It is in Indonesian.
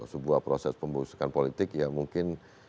sebuah proses pembusukan politik yang mungkin